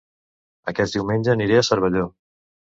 Aquest diumenge aniré a Cervelló